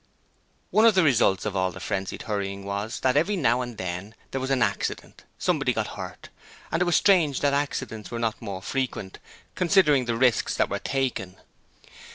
One of the results of all the frenzied hurrying was that every now and then there was an accident: somebody got hurt: and it was strange that accidents were not more frequent, considering the risks that were taken.